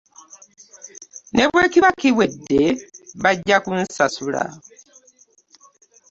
Ne bwe kiba kiwedde bajja kunsasula.